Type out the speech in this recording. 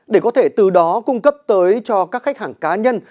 để có thể từ đó cung cấp tới cho các khách hàng cá nhân